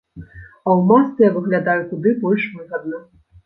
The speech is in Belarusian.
А ў масцы я выглядаю куды больш выгадна.